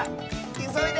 いそいで！